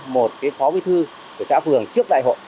một phó bí thư của xã phường trước đại hội